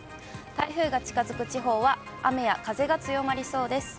台風が近づく地方は雨や風が強まりそうです。